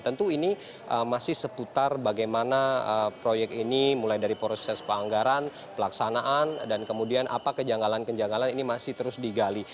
tentu ini masih seputar bagaimana proyek ini mulai dari proses penganggaran pelaksanaan dan kemudian apa kejanggalan kejanggalan ini masih terus digali